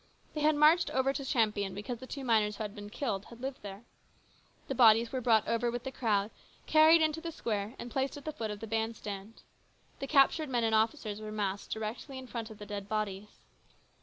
They had marched over to Champion because the two miners who had been killed had lived there. The bodies were brought over with the crowd, carried into the square, and placed at the foot of the band stand. The captured men and officers were massed directly in front of the dead bodies.